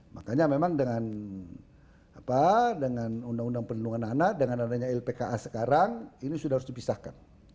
makanya memang dengan undang undang perlindungan anak dengan adanya lpka sekarang ini sudah harus dipisahkan